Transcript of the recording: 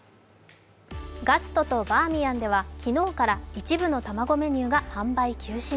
ガストとバーミヤンでは昨日から一部の卵メニューが販売休止に。